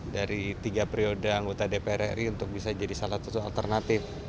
dari tiga periode anggota dpr ri untuk bisa jadi salah satu alternatif